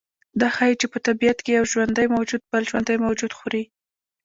دا ښیي چې په طبیعت کې یو ژوندی موجود بل ژوندی موجود خوري